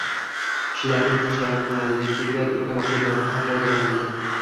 Kishilarning tashnaligidan egri maqsadlarda ham foydalanildi.